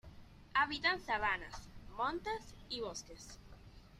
Habita en sabanas, montes y bosques.